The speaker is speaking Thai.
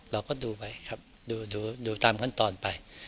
เราก็ดูไปครับดูตามขั้นตอนไป